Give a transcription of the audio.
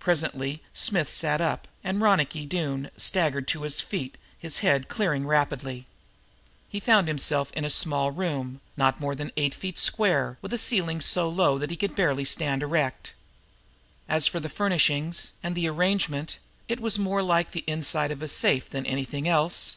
Presently Smith sat up, and Ronicky Doone staggered to his feet, his head clearing rapidly. He found himself in a small room, not more than eight feet square, with a ceiling so low that he could barely stand erect. As for the furnishings and the arrangement, it was more like the inside of a safe than anything else.